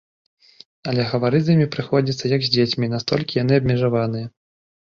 Але гаварыць з імі прыходзіцца як з дзецьмі, настолькі яны абмежаваныя.